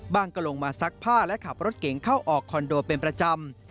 ก็ลงมาซักผ้าและขับรถเก๋งเข้าออกคอนโดเป็นประจำ